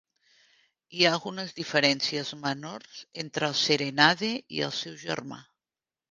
Hi ha algunes diferències menors entre el "Serenade" i el seu germà.